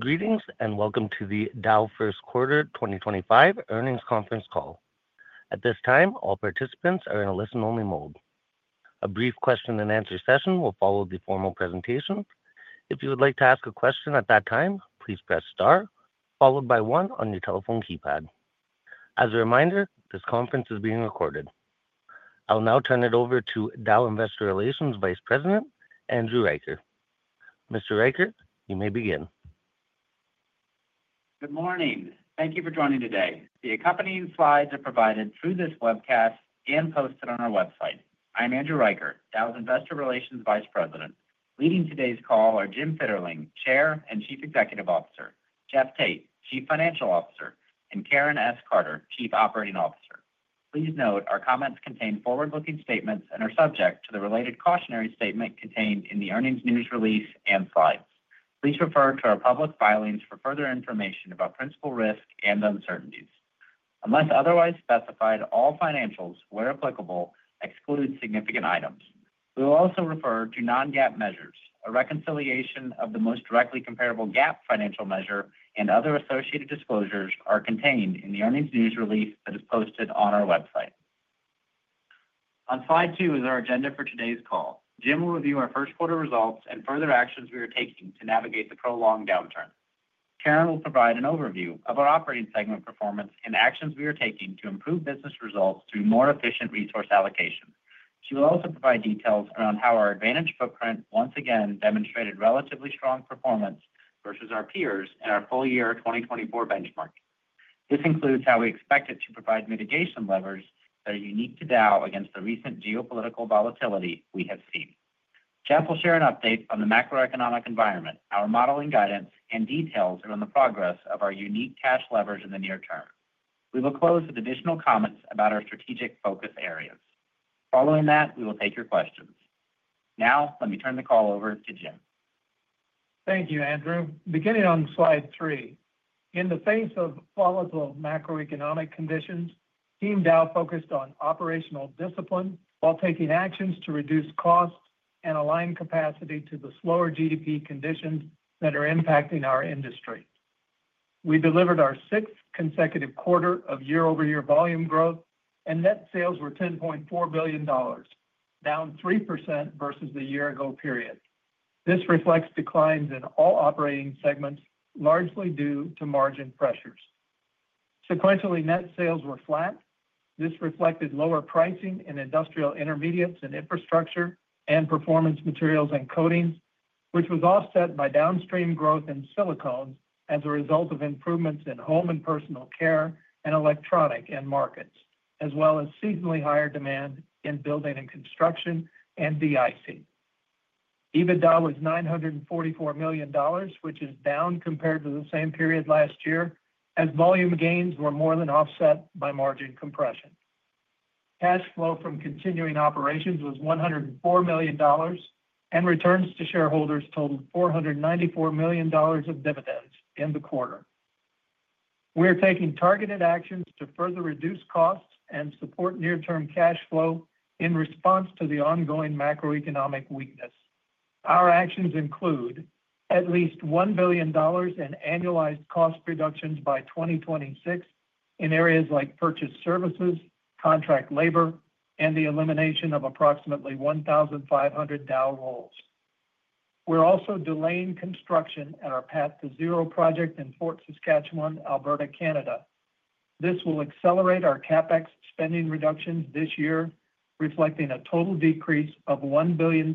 Greetings and welcome to the Dow First Quarter 2025 earnings conference call. At this time, all participants are in a listen-only mode. A brief question-and-answer session will follow the formal presentation. If you would like to ask a question at that time, please press star, followed by one on your telephone keypad. As a reminder, this conference is being recorded. I'll now turn it over to Dow Investor Relations Vice President, Andrew Riker. Mr. Riker, you may begin. Good morning. Thank you for joining today. The accompanying slides are provided through this webcast and posted on our website. I'm Andrew Riker, Dow's Investor Relations Vice President. Leading today's call are Jim Fitterling, Chair and Chief Executive Officer; Jeff Tate, Chief Financial Officer; and Karen Carter, Chief Operating Officer. Please note our comments contain forward-looking statements and are subject to the related cautionary statement contained in the earnings news release and slides. Please refer to our public filings for further information about principal risk and uncertainties. Unless otherwise specified, all financials, where applicable, exclude significant items. We will also refer to non-GAAP measures. A reconciliation of the most directly comparable GAAP financial measure and other associated disclosures are contained in the earnings news release that is posted on our website. On slide two is our agenda for today's call. Jim will review our first quarter results and further actions we are taking to navigate the prolonged downturn. Karen will provide an overview of our operating segment performance and actions we are taking to improve business results through more efficient resource allocation. She will also provide details around how our advantage footprint once again demonstrated relatively strong performance versus our peers in our full year 2024 benchmark. This includes how we expect it to provide mitigation levers that are unique to Dow against the recent geopolitical volatility we have seen. Jeff will share an update on the macroeconomic environment, our modeling guidance, and details around the progress of our unique cash levers in the near term. We will close with additional comments about our strategic focus areas. Following that, we will take your questions. Now, let me turn the call over to Jim. Thank you, Andrew. Beginning on slide three, in the face of volatile macroeconomic conditions, team Dow focused on operational discipline while taking actions to reduce costs and align capacity to the slower GDP conditions that are impacting our industry. We delivered our sixth consecutive quarter of year-over-year volume growth, and net sales were $10.4 billion, down 3% versus the year-ago period. This reflects declines in all operating segments, largely due to margin pressures. Sequentially, net sales were flat. This reflected lower pricing in Industrial Intermediates & Infrastructure and Performance Materials and Coatings, which was offset by downstream growth in Silicones as a result of improvements in home and personal care and electronic end markets, as well as seasonally higher demand in building and construction and deicing. EBITDA was $944 million, which is down compared to the same period last year, as volume gains were more than offset by margin compression. Cash flow from continuing operations was $104 million, and returns to shareholders totaled $494 million of dividends in the quarter. We are taking targeted actions to further reduce costs and support near-term cash flow in response to the ongoing macroeconomic weakness. Our actions include at least $1 billion in annualized cost reductions by 2026 in areas like purchased services, contract labor, and the elimination of approximately 1,500 Dow roles. We're also delaying construction at our Path to Zero project in Fort Saskatchewan, Alberta, Canada. This will accelerate our CapEx spending reductions this year, reflecting a total decrease of $1 billion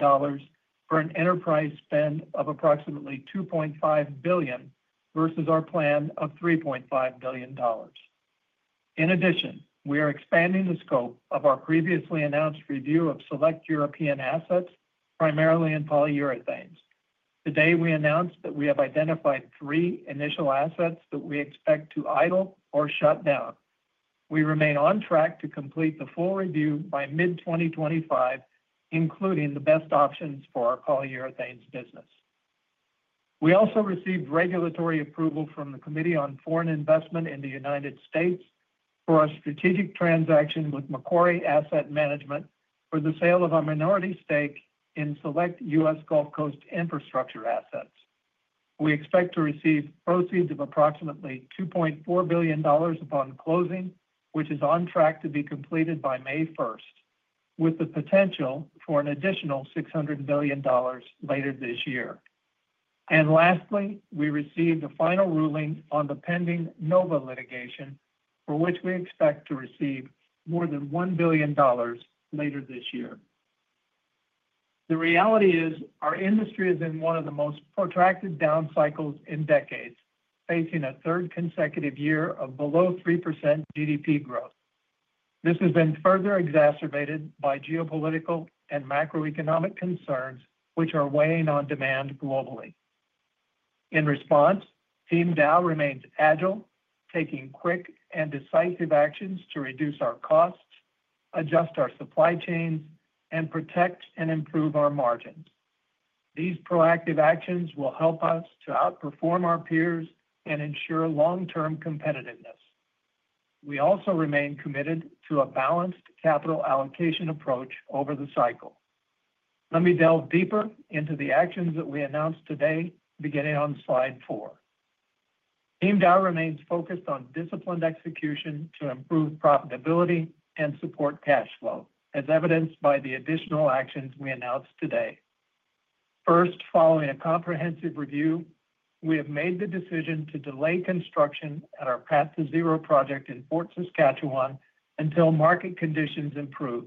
for an enterprise spend of approximately $2.5 billion versus our plan of $3.5 billion. In addition, we are expanding the scope of our previously announced review of select European assets, primarily in Polyurethanes. Today, we announced that we have identified three initial assets that we expect to idle or shut down. We remain on track to complete the full review by mid-2025, including the best options for our polyurethane business. We also received regulatory approval from the Committee on Foreign Investment in the United States for our strategic transaction with Macquarie Asset Management for the sale of our minority stake in select U.S. Gulf Coast infrastructure assets. We expect to receive proceeds of approximately $2.4 billion upon closing, which is on track to be completed by May 1st, with the potential for an additional $600 million later this year. Lastly, we received a final ruling on the pending NOVA litigation, for which we expect to receive more than $1 billion later this year. The reality is our industry is in one of the most protracted down cycles in decades, facing a third consecutive year of below 3% GDP growth. This has been further exacerbated by geopolitical and macroeconomic concerns, which are weighing on demand globally. In response, Team Dow remains agile, taking quick and decisive actions to reduce our costs, adjust our supply chains, and protect and improve our margins. These proactive actions will help us to outperform our peers and ensure long-term competitiveness. We also remain committed to a balanced capital allocation approach over the cycle. Let me delve deeper into the actions that we announced today, beginning on Slide 4. Team Dow remains focused on disciplined execution to improve profitability and support cash flow, as evidenced by the additional actions we announced today. First, following a comprehensive review, we have made the decision to delay construction at our Path to Zero project in Fort Saskatchewan until market conditions improve.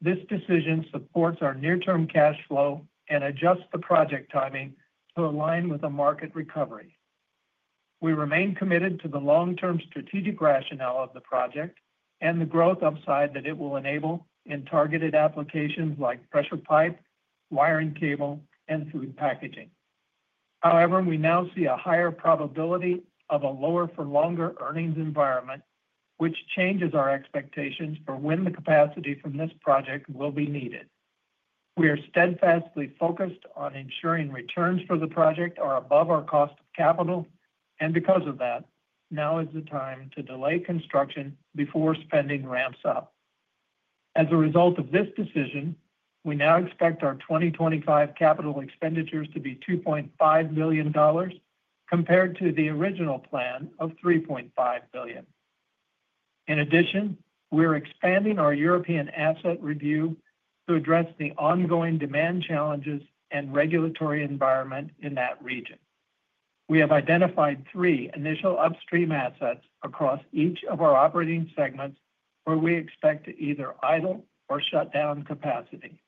This decision supports our near-term cash flow and adjusts the project timing to align with a market recovery. We remain committed to the long-term strategic rationale of the project and the growth upside that it will enable in targeted applications like pressure pipe, wire and cable, and food packaging. However, we now see a higher probability of a lower-for-longer earnings environment, which changes our expectations for when the capacity from this project will be needed. We are steadfastly focused on ensuring returns for the project are above our cost of capital, and because of that, now is the time to delay construction before spending ramps up. As a result of this decision, we now expect our 2025 capital expenditures to be $2.5 billion, compared to the original plan of $3.5 billion. In addition, we are expanding our European asset review to address the ongoing demand challenges and regulatory environment in that region. We have identified three initial upstream assets across each of our operating segments where we expect to either idle or shut down capacity.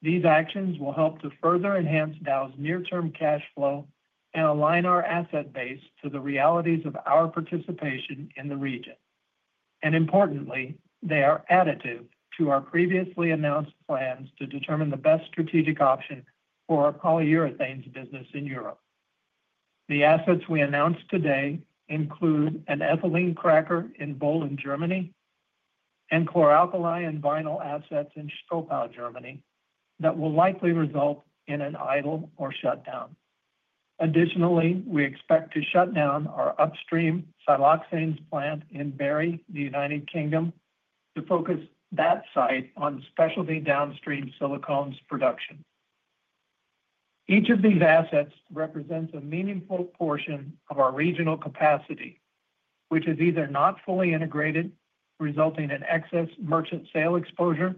These actions will help to further enhance Dow's near-term cash flow and align our asset base to the realities of our participation in the region. Importantly, they are additive to our previously announced plans to determine the best strategic option for our Polyurethanes business in Europe. The assets we announced today include an ethylene cracker in Böhlen, Germany, and chlor-alkali and vinyl assets in Schkopau, Germany, that will likely result in an idle or shutdown. Additionally, we expect to shut down our upstream siloxanes plant in Barry, the United Kingdom, to focus that site on specialty downstream Silicones production. Each of these assets represents a meaningful portion of our regional capacity, which is either not fully integrated, resulting in excess merchant sale exposure,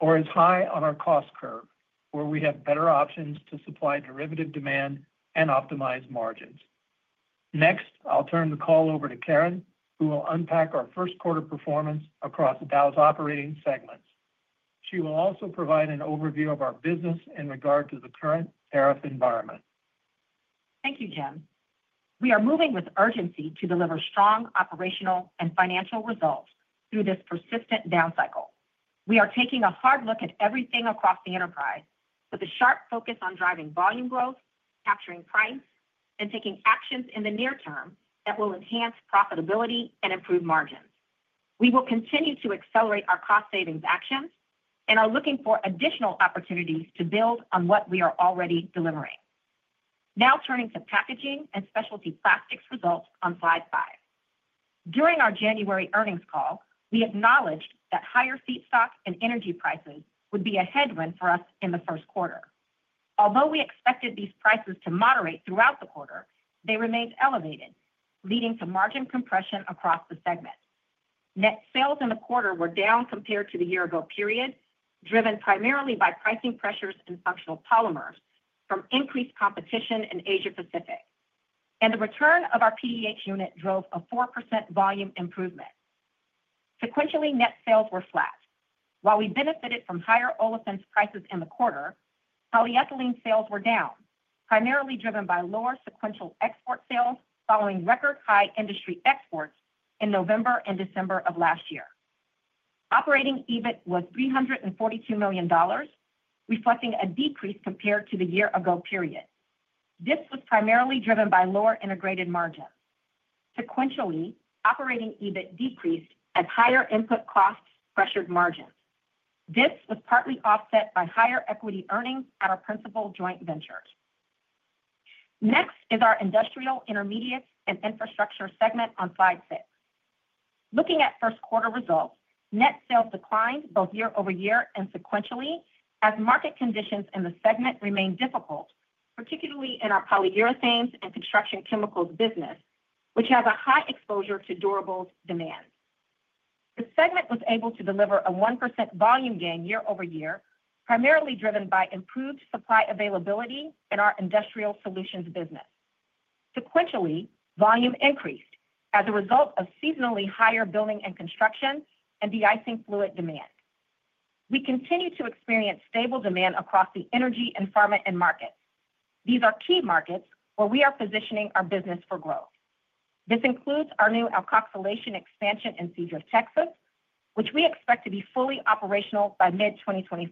or is high on our cost curve, where we have better options to supply derivative demand and optimize margins. Next, I'll turn the call over to Karen, who will unpack our first quarter performance across Dow's operating segments. She will also provide an overview of our business in regard to the current tariff environment. Thank you, Jim. We are moving with urgency to deliver strong operational and financial results through this persistent down cycle. We are taking a hard look at everything across the enterprise with a sharp focus on driving volume growth, capturing price, and taking actions in the near term that will enhance profitability and improve margins. We will continue to accelerate our cost savings actions and are looking for additional opportunities to build on what we are already delivering. Now turning to Packaging & Specialty Plastics results on slide five. During our January earnings call, we acknowledged that higher feedstock and energy prices would be a headwind for us in the first quarter. Although we expected these prices to moderate throughout the quarter, they remained elevated, leading to margin compression across the segment. Net sales in the quarter were down compared to the year-ago period, driven primarily by pricing pressures in Functional Polymers from increased competition in Asia-Pacific. The return of our PDH unit drove a 4% volume improvement. Sequentially, net sales were flat. While we benefited from higher olefins prices in the quarter, polyethylene sales were down, primarily driven by lower sequential export sales following record high industry exports in November and December of last year. Operating EBIT was $342 million, reflecting a decrease compared to the year-ago period. This was primarily driven by lower integrated margins. Sequentially, operating EBIT decreased as higher input costs pressured margins. This was partly offset by higher equity earnings at our principal joint ventures. Next is our Industrial Intermediates & Infrastructure segment on slide six. Looking at first quarter results, net sales declined both year-over-year and sequentially as market conditions in the segment remained difficult, particularly in our Polyurethanes and Construction Chemicals business, which has a high exposure to durables demand. The segment was able to deliver a 1% volume gain year-over-year, primarily driven by improved supply availability in our Industrial Solutions business. Sequentially, volume increased as a result of seasonally higher building and construction and deicing fluid demand. We continue to experience stable demand across the energy and farming markets. These are key markets where we are positioning our business for growth. This includes our new alkoxylation expansion in Seadrift, Texas, which we expect to be fully operational by mid-2025.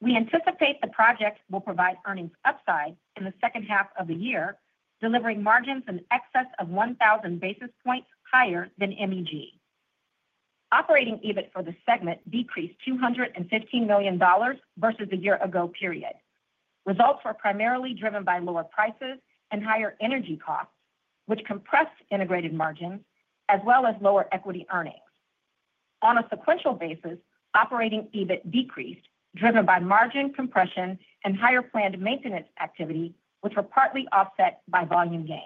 We anticipate the project will provide earnings upside in the second half of the year, delivering margins in excess of 1,000 basis points higher than MEG. Operating EBIT for the segment decreased $215 million versus the year-ago period. Results were primarily driven by lower prices and higher energy costs, which compressed integrated margins, as well as lower equity earnings. On a sequential basis, operating EBIT decreased, driven by margin compression and higher planned maintenance activity, which were partly offset by volume gains.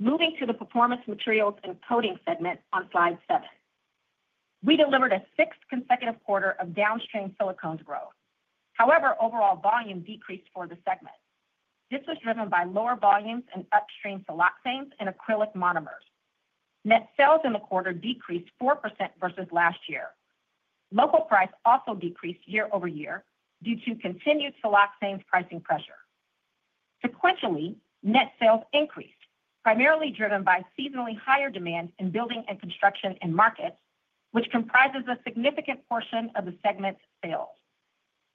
Moving to the Performance Materials & Coatings segment on slide seven. We delivered a sixth consecutive quarter of downstream Silicones growth. However, overall volume decreased for the segment. This was driven by lower volumes in upstream siloxanes and acrylic monomers. Net sales in the quarter decreased 4% versus last year. Local price also decreased year-over-year due to continued siloxanes pricing pressure. Sequentially, net sales increased, primarily driven by seasonally higher demand in building and construction end markets, which comprises a significant portion of the segment's sales.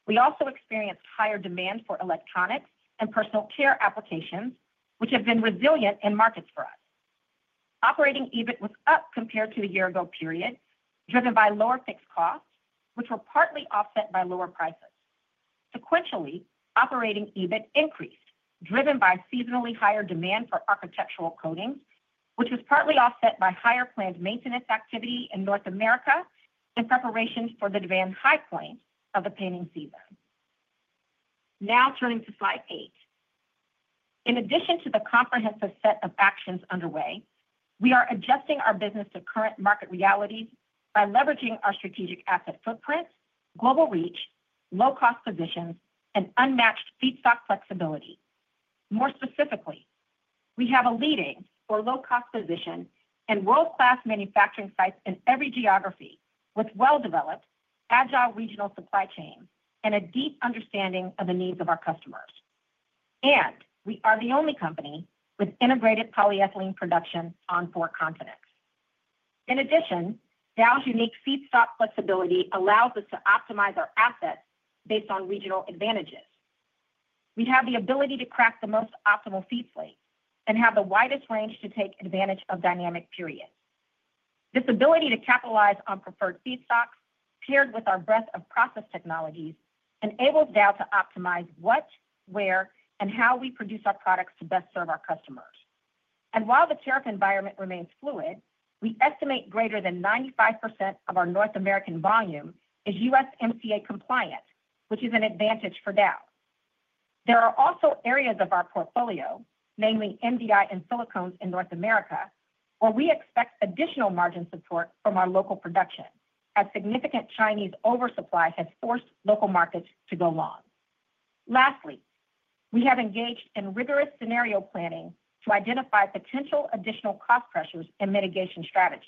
We also experienced higher demand for electronics and personal care applications, which have been resilient in markets for us. Operating EBIT was up compared to the year-ago period, driven by lower fixed costs, which were partly offset by lower prices. Sequentially, operating EBIT increased, driven by seasonally higher demand for architectural coatings, which was partly offset by higher planned maintenance activity in North America in preparation for the demand high point of the painting season. Now turning to slide eight. In addition to the comprehensive set of actions underway, we are adjusting our business to current market realities by leveraging our strategic asset footprint, global reach, low-cost positions, and unmatched feedstock flexibility. More specifically, we have a leading or low-cost position in world-class manufacturing sites in every geography with well-developed, agile regional supply chains and a deep understanding of the needs of our customers. We are the only company with integrated polyethylene production on four continents. In addition, Dow's unique feedstock flexibility allows us to optimize our assets based on regional advantages. We have the ability to crack the most optimal feed slate and have the widest range to take advantage of dynamic periods. This ability to capitalize on preferred feedstocks, paired with our breadth of process technologies, enables Dow to optimize what, where, and how we produce our products to best serve our customers. While the tariff environment remains fluid, we estimate greater than 95% of our North American volume is USMCA compliant, which is an advantage for Dow. There are also areas of our portfolio, namely MDI and Silicones in North America, where we expect additional margin support from our local production, as significant Chinese oversupply has forced local markets to go long. Lastly, we have engaged in rigorous scenario planning to identify potential additional cost pressures and mitigation strategies.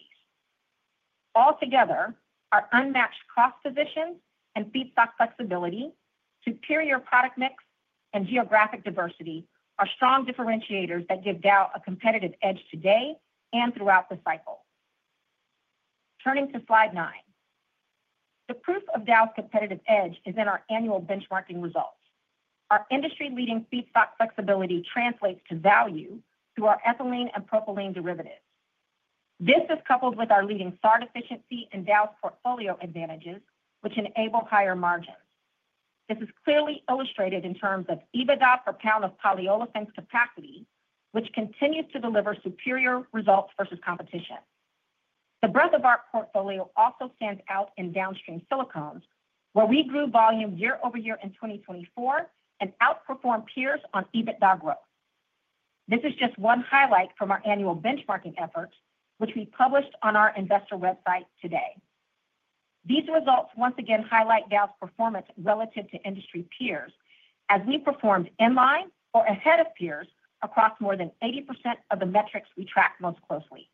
Altogether, our unmatched cost positions and feedstock flexibility, superior product mix, and geographic diversity are strong differentiators that give Dow a competitive edge today and throughout the cycle. Turning to slide nine. The proof of Dow's competitive edge is in our annual benchmarking results. Our industry-leading feedstock flexibility translates to value through our ethylene and propylene derivatives. This is coupled with our leading SARD efficiency and Dow's portfolio advantages, which enable higher margins. This is clearly illustrated in terms of EBITDA per pound of polyolefins capacity, which continues to deliver superior results versus competition. The breadth of our portfolio also stands out in downstream Silicones, where we grew volume year-over-year in 2024 and outperformed peers on EBITDA growth. This is just one highlight from our annual benchmarking efforts, which we published on our investor website today. These results once again highlight Dow's performance relative to industry peers, as we performed in line or ahead of peers across more than 80% of the metrics we track most closely.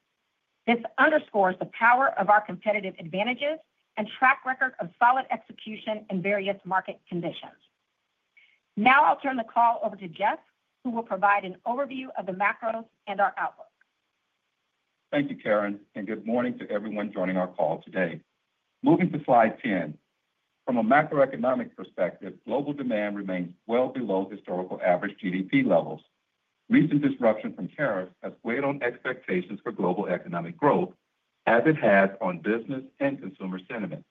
This underscores the power of our competitive advantages and track record of solid execution in various market conditions. Now I'll turn the call over to Jeff, who will provide an overview of the macros and our outlook. Thank you, Karen, and good morning to everyone joining our call today. Moving to slide 10. From a macroeconomic perspective, global demand remains well below historical average GDP levels. Recent disruption from tariffs has weighed on expectations for global economic growth, as it has on business and consumer sentiment.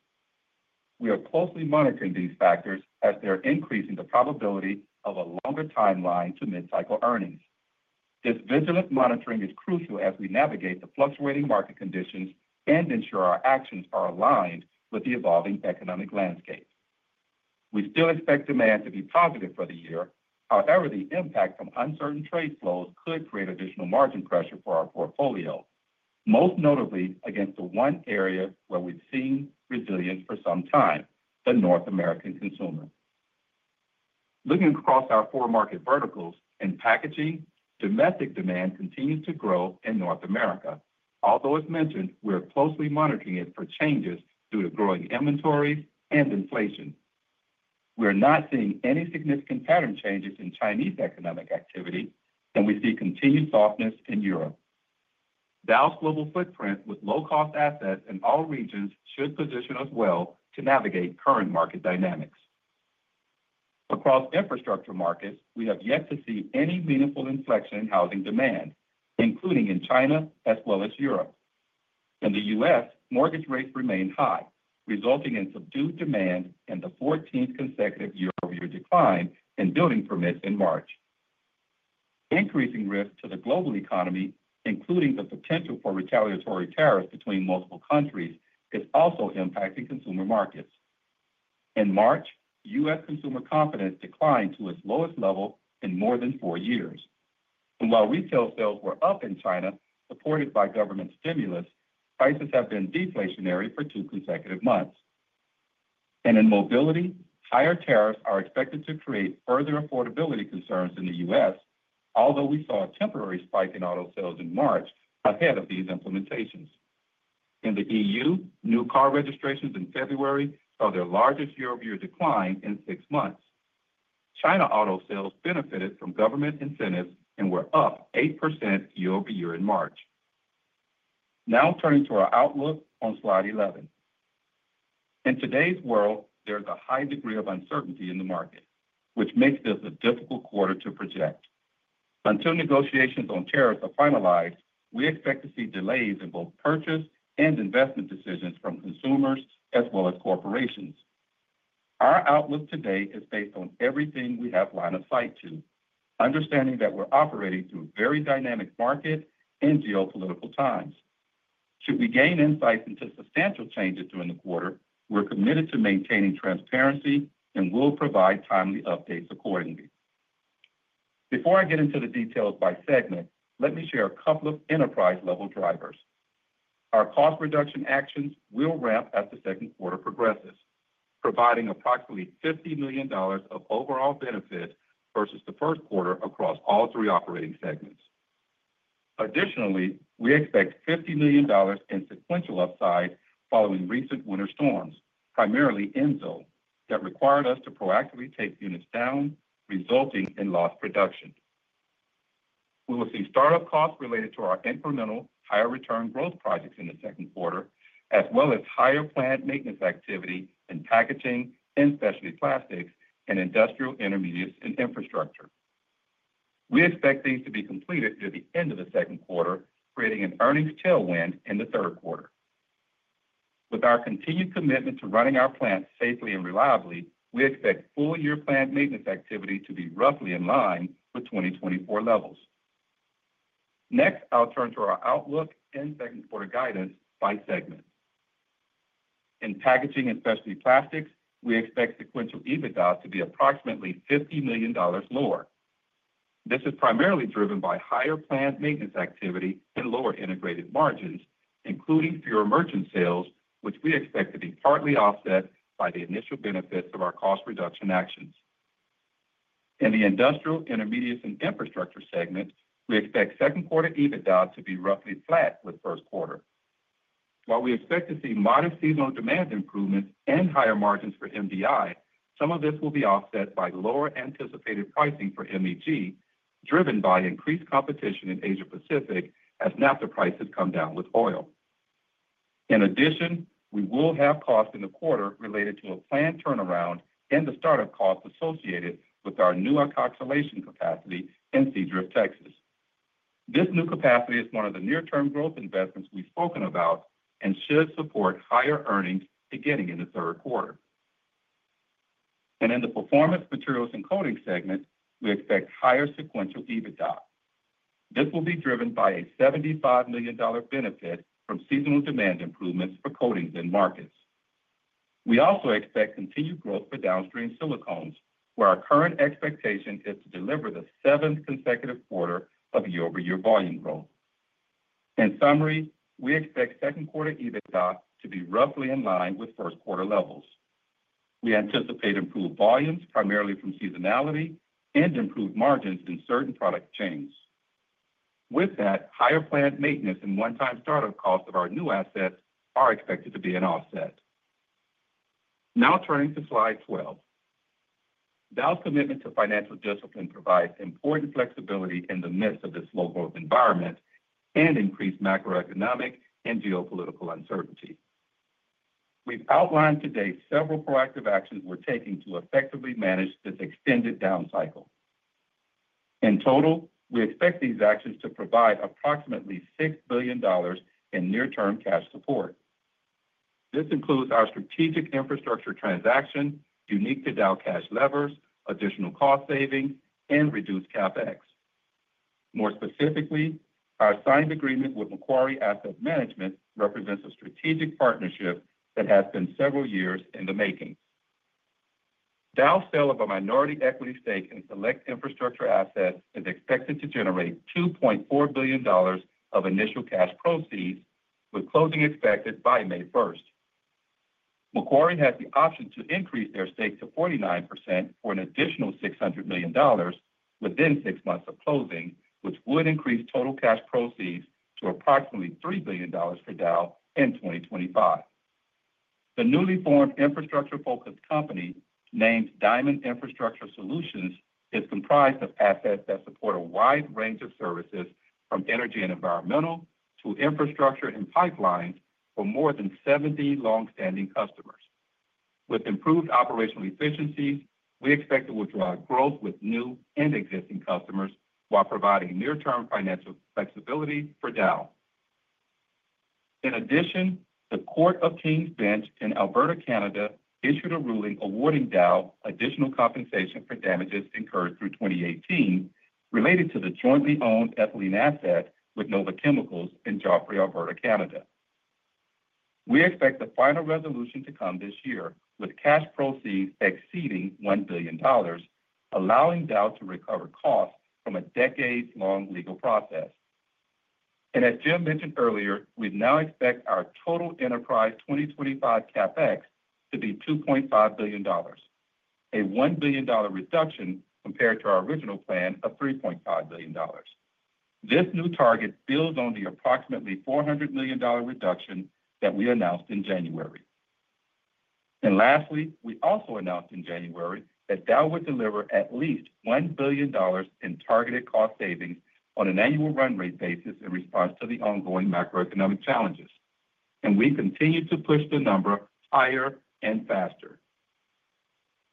We are closely monitoring these factors as they are increasing the probability of a longer timeline to mid-cycle earnings. This vigilant monitoring is crucial as we navigate the fluctuating market conditions and ensure our actions are aligned with the evolving economic landscape. We still expect demand to be positive for the year. However, the impact from uncertain trade flows could create additional margin pressure for our portfolio, most notably against the one area where we've seen resilience for some time, the North American consumer. Looking across our four market verticals in packaging, domestic demand continues to grow in North America. Although, as mentioned, we are closely monitoring it for changes due to growing inventories and inflation. We are not seeing any significant pattern changes in Chinese economic activity, and we see continued softness in Europe. Dow's global footprint with low-cost assets in all regions should position us well to navigate current market dynamics. Across infrastructure markets, we have yet to see any meaningful inflection in housing demand, including in China as well as Europe. In the U.S., mortgage rates remain high, resulting in subdued demand and the 14th consecutive year-over-year decline in building permits in March. Increasing risk to the global economy, including the potential for retaliatory tariffs between multiple countries, is also impacting consumer markets. In March, U.S. consumer confidence declined to its lowest level in more than four years. While retail sales were up in China, supported by government stimulus, prices have been deflationary for two consecutive months. In mobility, higher tariffs are expected to create further affordability concerns in the U.S., although we saw a temporary spike in auto sales in March ahead of these implementations. In the EU, new car registrations in February saw their largest year-over-year decline in six months. China auto sales benefited from government incentives and were up 8% year-over-year in March. Now turning to our outlook on slide 11. In today's world, there is a high degree of uncertainty in the market, which makes this a difficult quarter to project. Until negotiations on tariffs are finalized, we expect to see delays in both purchase and investment decisions from consumers as well as corporations. Our outlook today is based on everything we have line of sight to, understanding that we're operating through a very dynamic market and geopolitical times. Should we gain insights into substantial changes during the quarter, we're committed to maintaining transparency and will provide timely updates accordingly. Before I get into the details by segment, let me share a couple of enterprise-level drivers. Our cost reduction actions will ramp as the second quarter progresses, providing approximately $50 million of overall benefit versus the first quarter across all three operating segments. Additionally, we expect $50 million in sequential upside following recent winter storms, primarily Enso, that required us to proactively take units down, resulting in lost production. We will see startup costs related to our incremental higher return growth projects in the second quarter, as well as higher planned maintenance activity Packaging & Specialty lastics and Industrial Intermediates & Infrastructure. We expect these to be completed through the end of the second quarter, creating an earnings tailwind in the third quarter. With our continued commitment to running our plants safely and reliably, we expect full-year planned maintenance activity to be roughly in line with 2024 levels. Next, I'll turn to our outlook and second quarter guidance by segment. In Packaging & Specialty Plastics, we expect sequential EBITDA to be approximately $50 million lower. This is primarily driven by higher planned maintenance activity and lower integrated margins, including fewer merchant sales, which we expect to be partly offset by the initial benefits of our cost reduction actions. In the Industrial Intermediates & Infrastructure segment, we expect second quarter EBITDA to be roughly flat with first quarter. While we expect to see modest seasonal demand improvements and higher margins for MDI, some of this will be offset by lower anticipated pricing for MEG, driven by increased competition in Asia-Pacific as NGL prices come down with oil. In addition, we will have costs in the quarter related to a planned turnaround and the startup cost associated with our new alkoxylation capacity in Seadrift, Texas. This new capacity is one of the near-term growth investments we've spoken about and should support higher earnings beginning in the third quarter. In the Performance Materials & Coatings segment, we expect higher sequential EBITDA. This will be driven by a $75 million benefit from seasonal demand improvements for coatings end markets. We also expect continued growth for downstream Silicones, where our current expectation is to deliver the seventh consecutive quarter of year-over-year volume growth. In summary, we expect second quarter EBITDA to be roughly in line with first quarter levels. We anticipate improved volumes, primarily from seasonality, and improved margins in certain product chains. With that, higher planned maintenance and one-time startup cost of our new assets are expected to be an offset. Now turning to slide 12. Dow's commitment to financial discipline provides important flexibility in the midst of this slow growth environment and increased macroeconomic and geopolitical uncertainty. We've outlined today several proactive actions we're taking to effectively manage this extended down cycle. In total, we expect these actions to provide approximately $6 billion in near-term cash support. This includes our strategic infrastructure transaction, unique to Dow cash levers, additional cost savings, and reduced CapEx. More specifically, our signed agreement with Macquarie Asset Management represents a strategic partnership that has been several years in the making. Dow's sale of a minority equity stake in select infrastructure assets is expected to generate $2.4 billion of initial cash proceeds, with closing expected by May 1st. Macquarie has the option to increase their stake to 49% for an additional $600 million within six months of closing, which would increase total cash proceeds to approximately $3 billion for Dow in 2025. The newly formed infrastructure-focused company, named Diamond Infrastructure Solutions, is comprised of assets that support a wide range of services, from energy and environmental to infrastructure and pipelines, for more than 70 longstanding customers. With improved operational efficiencies, we expect to drive growth with new and existing customers while providing near-term financial flexibility for Dow. In addition, the Court of King's Bench in Alberta, Canada, issued a ruling awarding Dow additional compensation for damages incurred through 2018 related to the jointly owned ethylene asset with NOVA Chemicals in Joffre, Alberta, Canada. We expect the final resolution to come this year, with cash proceeds exceeding $1 billion, allowing Dow to recover costs from a decades-long legal process. As Jim mentioned earlier, we now expect our total enterprise 2025 CapEx to be $2.5 billion, a $1 billion reduction compared to our original plan of $3.5 billion. This new target builds on the approximately $400 million reduction that we announced in January. Lastly, we also announced in January that Dow would deliver at least $1 billion in targeted cost savings on an annual run rate basis in response to the ongoing macroeconomic challenges. We continue to push the number higher and faster.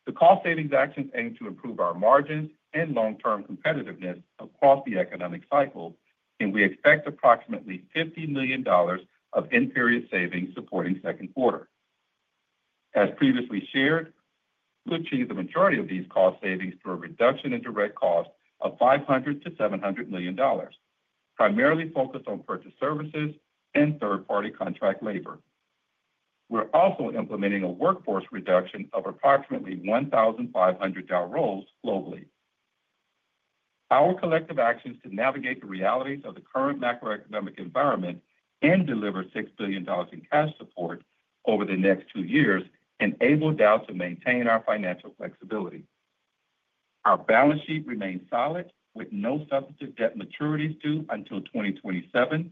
The cost savings actions aim to improve our margins and long-term competitiveness across the economic cycle, and we expect approximately $50 million of in-period savings supporting second quarter. As previously shared, we achieved the majority of these cost savings through a reduction in direct cost of $500-$700 million, primarily focused on purchase services and third-party contract labor. We're also implementing a workforce reduction of approximately 1,500 Dow roles globally. Our collective actions to navigate the realities of the current macroeconomic environment and deliver $6 billion in cash support over the next two years enable Dow to maintain our financial flexibility. Our balance sheet remains solid, with no substantive debt maturities due until 2027.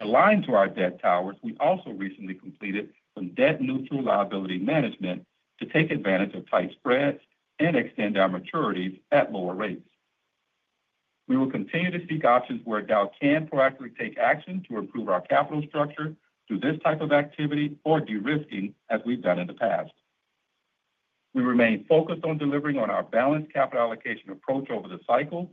Aligned to our debt towers, we also recently completed some debt-neutral liability management to take advantage of tight spreads and extend our maturities at lower rates. We will continue to seek options where Dow can proactively take action to improve our capital structure through this type of activity or de-risking, as we've done in the past. We remain focused on delivering on our balanced capital allocation approach over the cycle.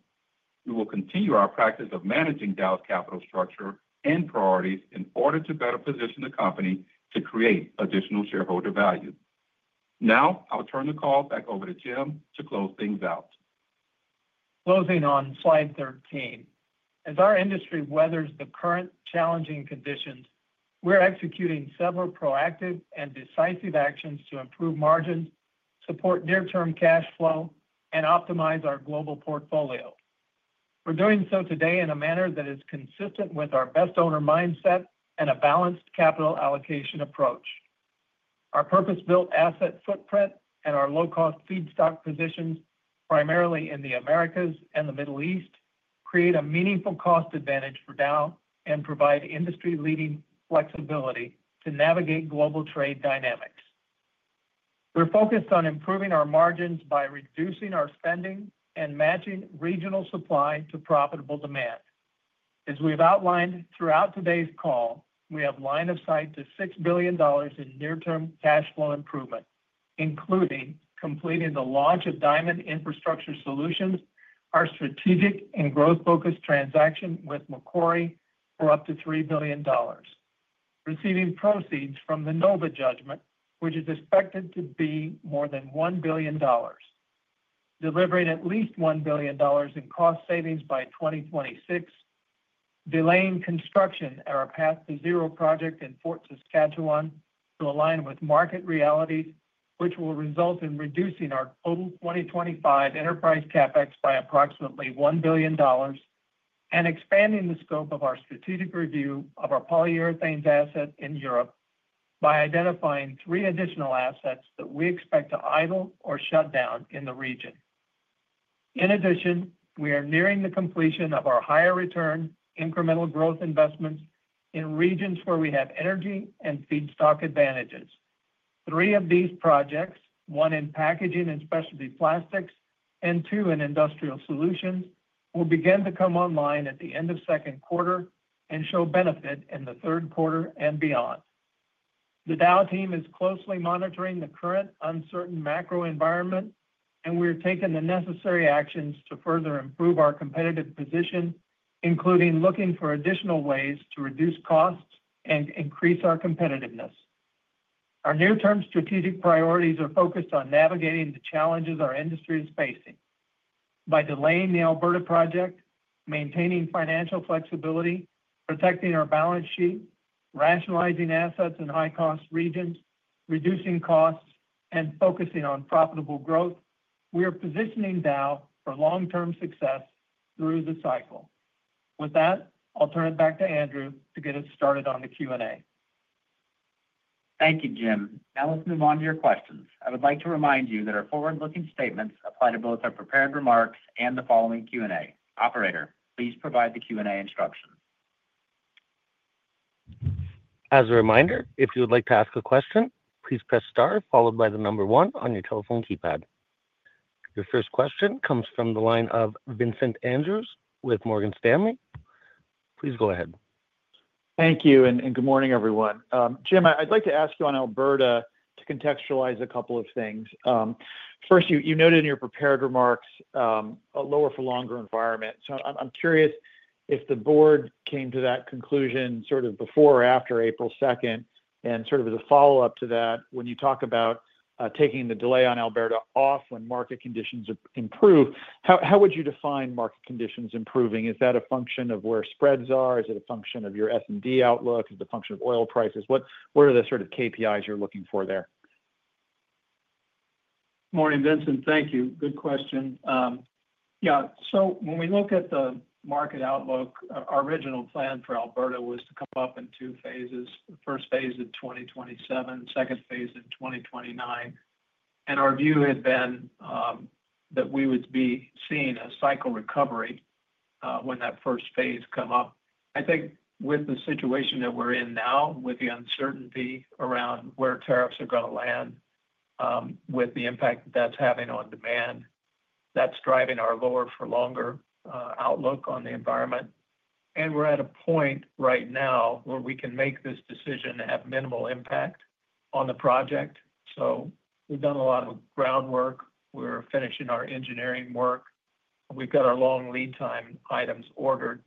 We will continue our practice of managing Dow's capital structure and priorities in order to better position the company to create additional shareholder value. Now I'll turn the call back over to Jim to close things out. Closing on slide 13. As our industry weathers the current challenging conditions, we're executing several proactive and decisive actions to improve margins, support near-term cash flow, and optimize our global portfolio. We're doing so today in a manner that is consistent with our best owner mindset and a balanced capital allocation approach. Our purpose-built asset footprint and our low-cost feedstock positions, primarily in the Americas and the Middle East, create a meaningful cost advantage for Dow and provide industry-leading flexibility to navigate global trade dynamics. We're focused on improving our margins by reducing our spending and matching regional supply to profitable demand. As we've outlined throughout today's call, we have line of sight to $6 billion in near-term cash flow improvement, including completing the launch of Diamond Infrastructure Solutions, our strategic and growth-focused transaction with Macquarie for up to $3 billion, receiving proceeds from the NOVA judgment, which is expected to be more than $1 billion, delivering at least $1 billion in cost savings by 2026, delaying construction at our Path to Zero project in Fort Saskatchewan to align with market realities, which will result in reducing our total 2025 enterprise CapEx by approximately $1 billion, and expanding the scope of our strategic review of our polyurethane asset in Europe by identifying three additional assets that we expect to idle or shut down in the region. In addition, we are nearing the completion of our higher-return incremental growth investments in regions where we have energy and feedstock advantages. Three of these projects, one in Packaging & Specialty Plastics, and two in Industrial Solutions, will begin to come online at the end of second quarter and show benefit in the third quarter and beyond. The Dow team is closely monitoring the current uncertain macro environment, and we are taking the necessary actions to further improve our competitive position, including looking for additional ways to reduce costs and increase our competitiveness. Our near-term strategic priorities are focused on navigating the challenges our industry is facing by delaying the Alberta project, maintaining financial flexibility, protecting our balance sheet, rationalizing assets in high-cost regions, reducing costs, and focusing on profitable growth. We are positioning Dow for long-term success through the cycle. With that, I'll turn it back to Andrew to get us started on the Q&A. Thank you, Jim. Now let's move on to your questions. I would like to remind you that our forward-looking statements apply to both our prepared remarks and the following Q&A. Operator, please provide the Q&A instructions. As a reminder, if you would like to ask a question, please press star followed by the number one on your telephone keypad. Your first question comes from the line of Vincent Andrews with Morgan Stanley. Please go ahead. Thank you. Good morning, everyone. Jim, I'd like to ask you on Alberta to contextualize a couple of things. First, you noted in your prepared remarks a lower-for-longer environment. I'm curious if the board came to that conclusion before or after April 2. As a follow-up to that, when you talk about taking the delay on Alberta off when market conditions improve, how would you define market conditions improving? Is that a function of where spreads are? Is it a function of your S&D outlook? Is it a function of oil prices? What are the KPIs you're looking for there? Morning, Vincent. Thank you. Good question. Yeah. When we look at the market outlook, our original plan for Alberta was to come up in two phases: the first phase in 2027, the second phase in 2029. Our view had been that we would be seeing a cycle recovery when that first phase come up. I think with the situation that we're in now, with the uncertainty around where tariffs are going to land, with the impact that that's having on demand, that's driving our lower-for-longer outlook on the environment. We're at a point right now where we can make this decision to have minimal impact on the project. We've done a lot of groundwork. We're finishing our engineering work. We've got our long lead time items ordered.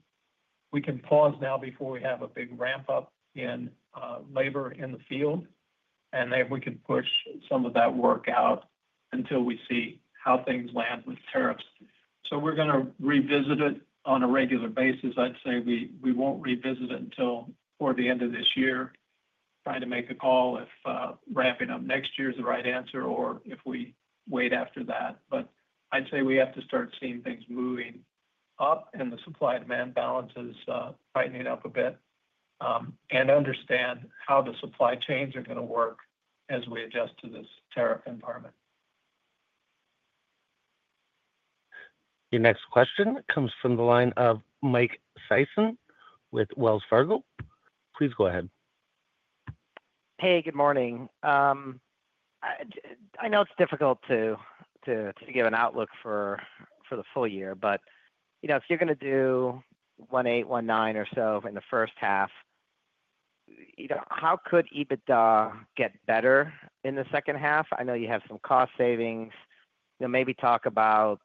We can pause now before we have a big ramp-up in labor in the field, and then we can push some of that work out until we see how things land with tariffs. We are going to revisit it on a regular basis. I'd say we won't revisit it until toward the end of this year. Trying to make a call if ramping up next year is the right answer or if we wait after that. I'd say we have to start seeing things moving up and the supply-demand balances tightening up a bit and understand how the supply chains are going to work as we adjust to this tariff environment. Your next question comes from the line of Mike Sison with Wells Fargo. Please go ahead. Hey, good morning. I know it's difficult to give an outlook for the full year, but if you're going to do $1.8 billion, $1.9 billion or so in the first half, how could EBITDA get better in the second half? I know you have some cost savings. Maybe talk about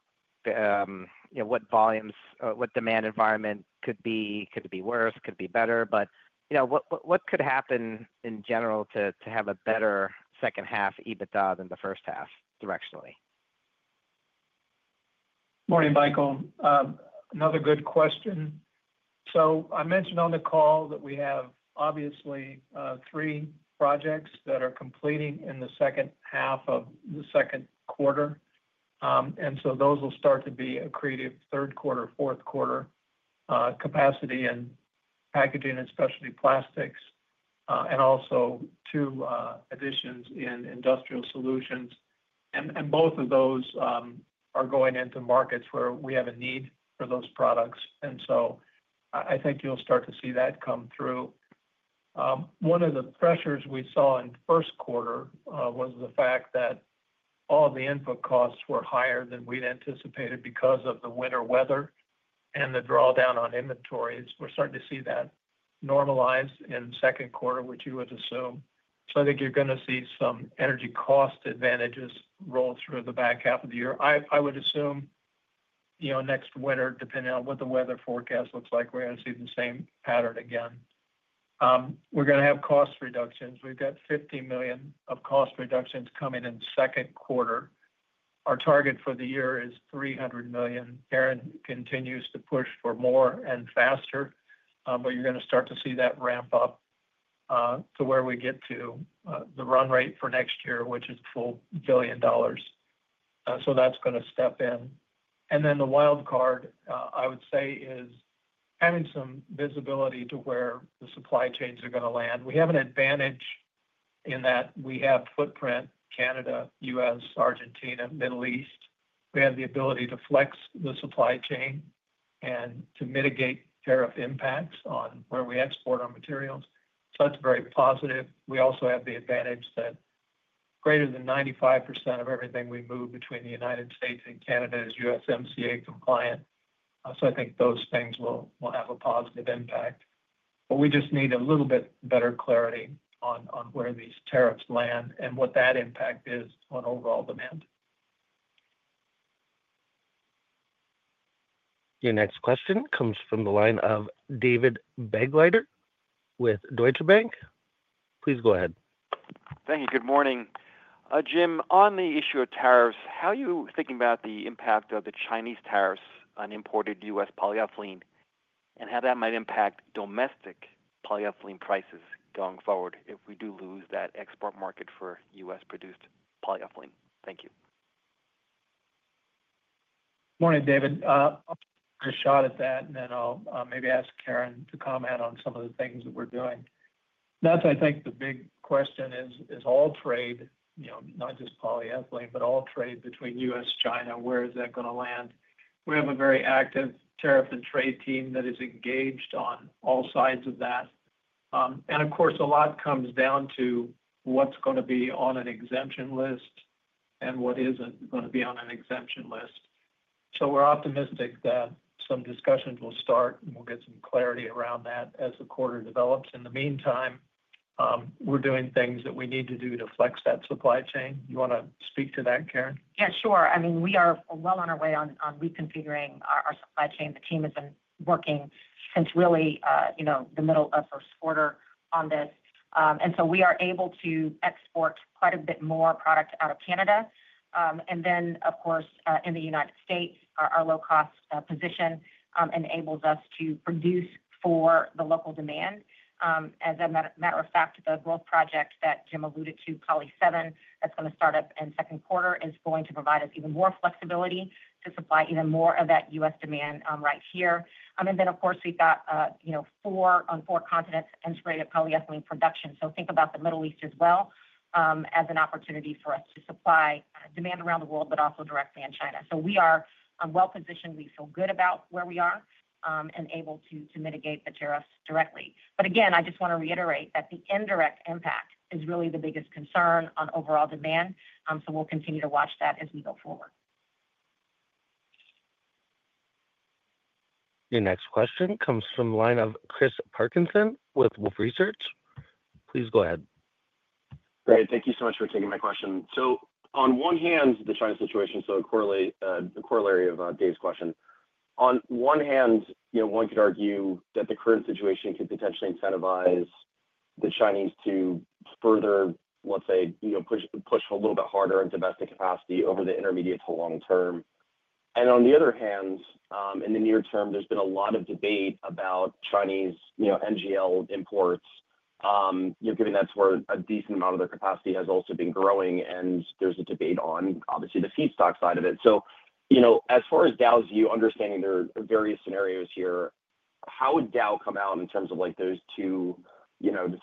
what volumes, what demand environment could be worse, could be better. What could happen in general to have a better second half EBITDA than the first half directionally? Morning, Michael. Another good question. I mentioned on the call that we have obviously three projects that are completing in the second half of the second quarter. Those will start to be accretive third quarter, fourth quarter capacity in Packaging & Specialty Plastics, and also two additions in Industrial Solutions. Both of those are going into markets where we have a need for those products. I think you'll start to see that come through. One of the pressures we saw in first quarter was the fact that all the input costs were higher than we'd anticipated because of the winter weather and the drawdown on inventories. We're starting to see that normalize in second quarter, which you would assume. I think you're going to see some energy cost advantages roll through the back half of the year. I would assume next winter, depending on what the weather forecast looks like, we're going to see the same pattern again. We're going to have cost reductions. We've got $50 million of cost reductions coming in second quarter. Our target for the year is $300 million. Karen continues to push for more and faster, but you're going to start to see that ramp up to where we get to the run rate for next year, which is a full $1 billion. That's going to step in. The wild card, I would say, is having some visibility to where the supply chains are going to land. We have an advantage in that we have footprint: Canada, U.S., Argentina, Middle East. We have the ability to flex the supply chain and to mitigate tariff impacts on where we export our materials. That's very positive. We also have the advantage that greater than 95% of everything we move between the United States and Canada is USMCA compliant. I think those things will have a positive impact. We just need a little bit better clarity on where these tariffs land and what that impact is on overall demand. Your next question comes from the line of David Begleiter with Deutsche Bank. Please go ahead. Thank you. Good morning. Jim, on the issue of tariffs, how are you thinking about the impact of the Chinese tariffs on imported U.S. polyethylene and how that might impact domestic polyethylene prices going forward if we do lose that export market for U.S.-produced polyethylene? Thank you. Morning, David. I'll take a shot at that, and then I'll maybe ask Karen to comment on some of the things that we're doing. That is, I think, the big question: is all trade, not just polyethylene, but all trade between the U.S. and China? Where is that going to land? We have a very active tariff and trade team that is engaged on all sides of that. Of course, a lot comes down to what is going to be on an exemption list and what is not going to be on an exemption list. We are optimistic that some discussions will start, and we will get some clarity around that as the quarter develops. In the meantime, we are doing things that we need to do to flex that supply chain. You want to speak to that, Karen? Yeah, sure. I mean, we are well on our way on reconfiguring our supply chain. The team has been working since really the middle of first quarter on this. We are able to export quite a bit more product out of Canada. Of course, in the United States, our low-cost position enables us to produce for the local demand. As a matter of fact, the growth project that Jim alluded to, Poly 7, that's going to start up in second quarter, is going to provide us even more flexibility to supply even more of that U.S. demand right here. We have four on four continents integrated polyethylene production. Think about the Middle East as well as an opportunity for us to supply demand around the world, but also directly in China. We are well positioned. We feel good about where we are and able to mitigate the tariffs directly. I just want to reiterate that the indirect impact is really the biggest concern on overall demand. We will continue to watch that as we go forward. Your next question comes from the line of Chris Parkinson with Wolfe Research. Please go ahead. Great. Thank you so much for taking my question. On one hand, the China situation is so corollary of Dave's question. On one hand, one could argue that the current situation could potentially incentivize the Chinese to further, let's say, push a little bit harder in domestic capacity over the intermediate to long term. On the other hand, in the near term, there's been a lot of debate about Chinese NGL imports, given that's where a decent amount of their capacity has also been growing, and there's a debate on, obviously, the feedstock side of it. As far as Dow's view, understanding there are various scenarios here, how would Dow come out in terms of those two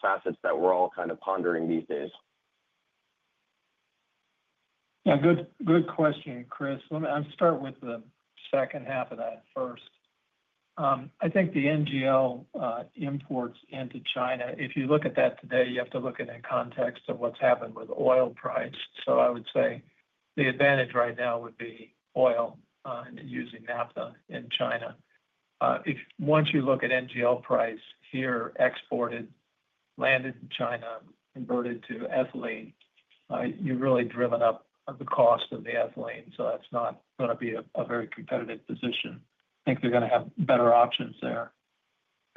facets that we're all kind of pondering these days? Yeah, good question, Chris. I'll start with the second half of that first. I think the NGL imports into China, if you look at that today, you have to look at it in context of what's happened with oil price. I would say the advantage right now would be oil using naphtha in China. Once you look at NGL price here, exported, landed in China, converted to ethylene, you've really driven up the cost of the ethylene. That's not going to be a very competitive position. I think they're going to have better options there.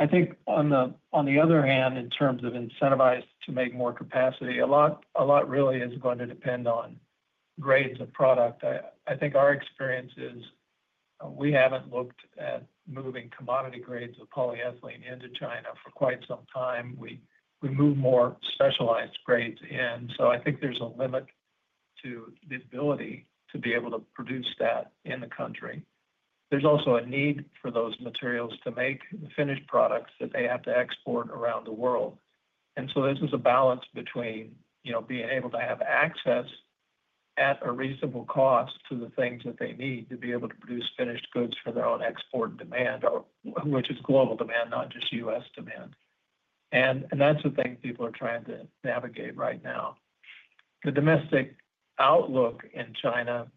On the other hand, in terms of incentivized to make more capacity, a lot really is going to depend on grades of product. I think our experience is we haven't looked at moving commodity grades of polyethylene into China for quite some time. We move more specialized grades in. I think there's a limit to the ability to be able to produce that in the country. There's also a need for those materials to make the finished products that they have to export around the world. This is a balance between being able to have access at a reasonable cost to the things that they need to be able to produce finished goods for their own export demand, which is global demand, not just U.S. demand. That's the thing people are trying to navigate right now. The domestic outlook in China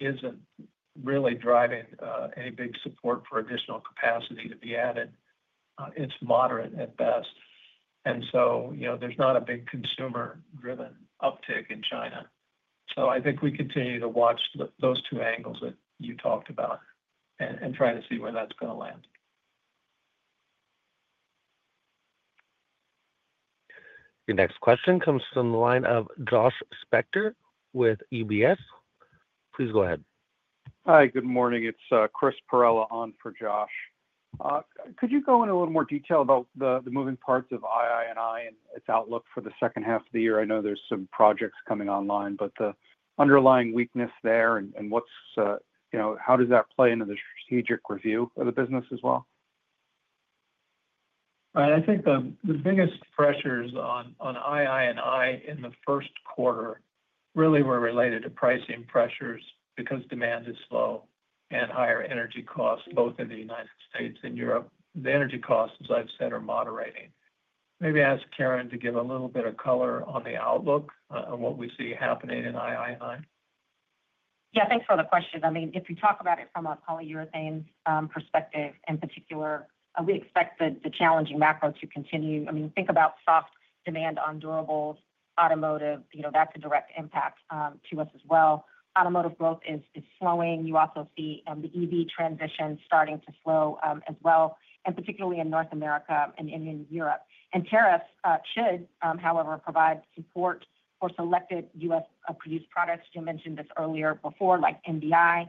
isn't really driving any big support for additional capacity to be added. It's moderate at best. There's not a big consumer-driven uptick in China. I think we continue to watch those two angles that you talked about and try to see where that's going to land. Your next question comes from the line of Josh Spector with UBS. Please go ahead. Hi, good morning. It's Chris Perella on for Josh. Could you go into a little more detail about the moving parts of I&I and its outlook for the second half of the year? I know there's some projects coming online, but the underlying weakness there and how does that play into the strategic review of the business as well? I think the biggest pressures on I&I in the first quarter really were related to pricing pressures because demand is slow and higher energy costs, both in the United States and Europe. The energy costs, as I've said, are moderating. Maybe ask Karen to give a little bit of color on the outlook and what we see happening in I&I. Yeah, thanks for the question. I mean, if you talk about it from a polyurethane perspective in particular, we expect the challenging macro to continue. I mean, think about soft demand on durables automotive. That's a direct impact to us as well. Automotive growth is slowing. You also see the EV transition starting to slow as well, particularly in North America and in Europe. Tariffs should, however, provide support for selected U.S.-produced products. You mentioned this earlier before, like MDI,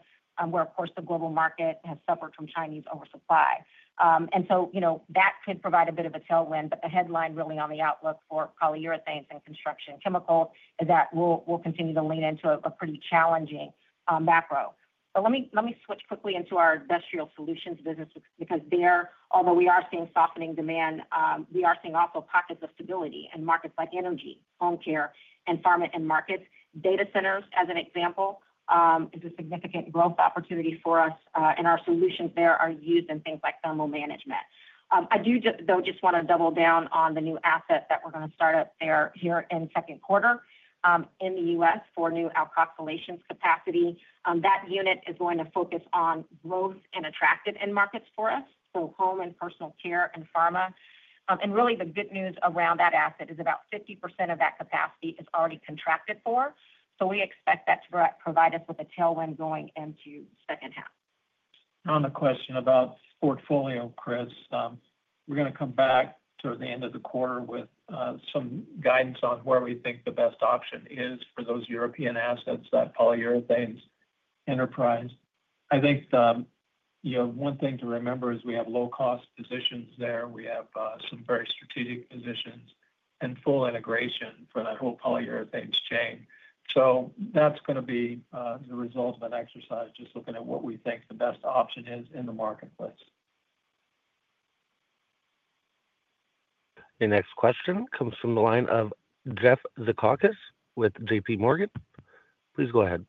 where, of course, the global market has suffered from Chinese oversupply. That could provide a bit of a tailwind, but the headline really on the outlook for Polyurethanes and Construction chemicals is that we'll continue to lean into a pretty challenging macro. Let me switch quickly into our Industrial Solutions business because there, although we are seeing softening demand, we are seeing also pockets of stability in markets like energy, home care, and farming end markets. Data centers, as an example, is a significant growth opportunity for us, and our solutions there are used in things like thermal management. I do, though, just want to double down on the new asset that we're going to start up here in second quarter in the U.S. for new alkoxylation capacity. That unit is going to focus on growth and attractive end markets for us, so home and personal care and pharma. Really, the good news around that asset is about 50% of that capacity is already contracted for. We expect that to provide us with a tailwind going into second half. On the question about portfolio, Chris, we're going to come back toward the end of the quarter with some guidance on where we think the best option is for those European assets, that Polyurethanes enterprise. I think one thing to remember is we have low-cost positions there. We have some very strategic positions and full integration for that whole Polyurethanes chain. That is going to be the result of an exercise just looking at what we think the best option is in the marketplace. Your next question comes from the line of Jeff Zekauskas with JP Morgan. Please go ahead.